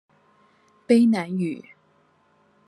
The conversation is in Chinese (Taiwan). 卑南語